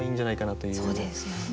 そうですよね。